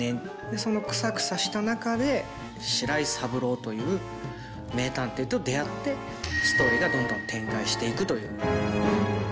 そのクサクサした中で白井三郎という名探偵と出会ってストーリーがどんどん展開していくという。